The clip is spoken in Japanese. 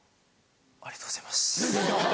ありがとうございます。